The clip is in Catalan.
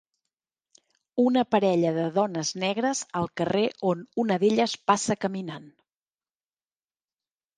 Una parella de dones negres al carrer on una d'elles passa caminant.